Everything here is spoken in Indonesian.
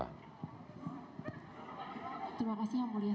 kepada jaksa penuntut umum apakah akan mengajukan upaya hukum